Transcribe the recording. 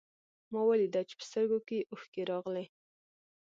ما وليده چې په سترګو کې يې اوښکې راغلې.